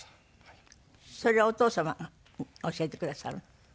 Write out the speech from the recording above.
それはお父様が教えてくださる？